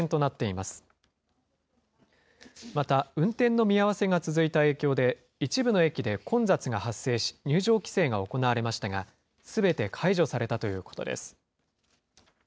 また、運転の見合わせが続いた影響で、一部の駅で混雑が発生し、入場規制が行われましたが、すべて解除されたということです。